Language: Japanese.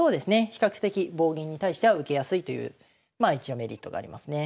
比較的棒銀に対しては受けやすいというまあ一応メリットがありますね。